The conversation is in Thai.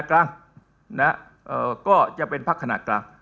กลางก็จะเป็นพักขนาดกลาง